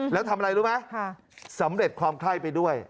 แล้วทำอะไรรู้ไหมสำเร็จความไข้ไปด้วย